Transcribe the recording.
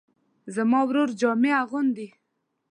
زما ورور جامې اغوندي